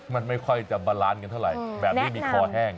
มันไม่ค่อยจะบารั้นกันเท่าไรแบบนี้มีคร้อแห้ง